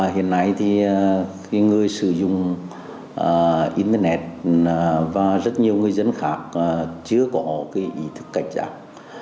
hiện nay thì người sử dụng internet và rất nhiều người dân khác chưa có cái ý thức cạnh giảm